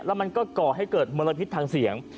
แล้วมันก็ก่อให้เกิดมลพิษทางเสียง